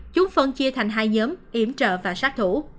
chúng phân chia thành hai nhóm yểm trợ và sát thủ